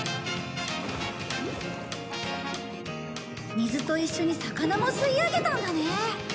水と一緒に魚も吸い上げたんだね